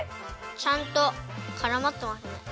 ちゃんとからまってますね。